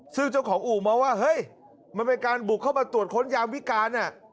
ซึ่งเจ้าของอู่มองว่าเฮ้ยมันเป็นการบุกเข้ามาตรวจค้นยามวิการ